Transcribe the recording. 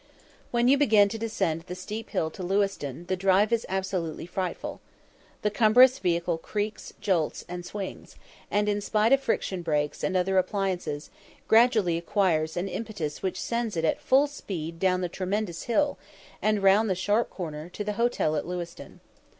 When you begin to descend the steep hill to Lewiston the drive is absolutely frightful. The cumbrous vehicle creaks, jolts, and swings, and, in spite of friction breaks and other appliances, gradually acquires an impetus which sends it at full speed down the tremendous hill, and round the sharp corner, to the hotel at Lewiston.